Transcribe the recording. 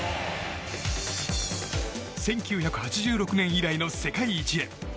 １９８６年以来の世界一へ。